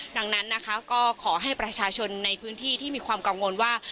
ดังนั้นนะคะก็ขอให้ประชาชนในพื้นที่ที่มีความกังวลว่า